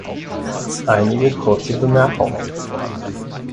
Einige kurze Bemerkungen.